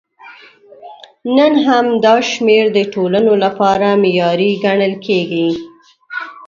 نن هم دا شمېر د ټولنو لپاره معیاري ګڼل کېږي.